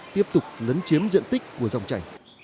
tiếp tục lớn chiếm diện tích của dòng cháy